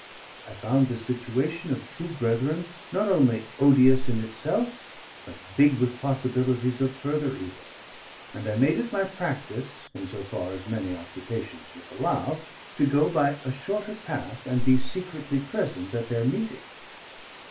I found this situation of two brethren not only odious in itself, but big with possibilities of further evil; and I made it my practice, in so far as many occupations would allow, to go by a shorter path and be secretly present at their meeting.